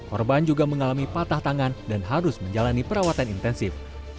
korban juga mengalami patah tangan dan harus menjalani perawatan intensif